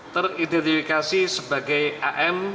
teridentifikasi sebagai am